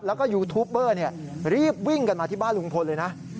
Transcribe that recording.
แล้วก็ยูทูปเบอร์รีบวิ่งกันมาที่บ้านลุงพลเลยนะ